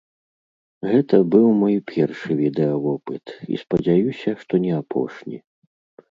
Гэта быў мой першы відэавопыт і спадзяюся, што не апошні.